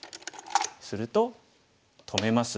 すると止めます。